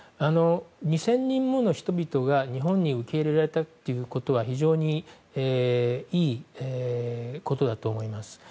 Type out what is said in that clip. ２０００人もの人々が日本に受け入れられたということは非常にいいことだと思います。